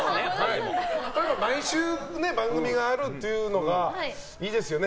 毎週、番組があるというのがいいですよね。